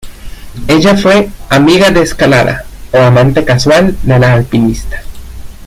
Ella fue "amiga de escalada" o "amante casual" del alpinista.